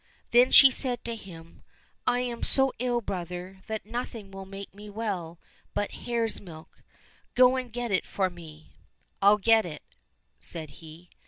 Then she said to him, " I am so ill, brother, that nothing will make me well but hare's milk. Go and get it for me."—" I'll get it," said he.